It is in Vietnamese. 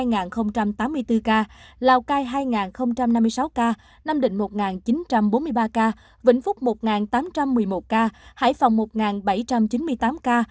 hai tám mươi bốn ca lào cai hai năm mươi sáu ca nam định một chín trăm bốn mươi ba ca vĩnh phúc một tám trăm một mươi một ca hải phòng một bảy trăm chín mươi tám ca